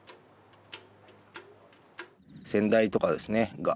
先代とかですね